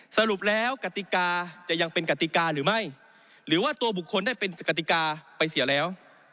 สรุปแล้วกติกาจะยังเป็นกติกาหรือไม่หรือว่าตัวบุคคลได้เป็นกติกาไปเสียแล้ว